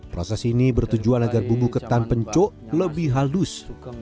proses ini bertujuan agar bumbu ketan pencok lebih halus